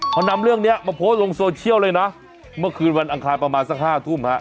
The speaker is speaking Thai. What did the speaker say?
เขานำเรื่องนี้มาโพสต์ลงโซเชียลเลยนะเมื่อคืนวันอังคารประมาณสักห้าทุ่มฮะ